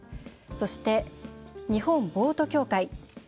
そして、日本ボート協会。